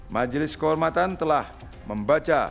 majelis kehormatan telah membaca